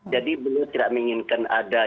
jadi belum tidak menginginkan ada